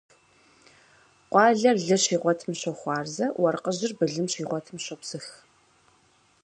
Къуалэр лы щигъуэтым щохуарзэ, уэркъыжьыр былым щигъуэтым щопсых.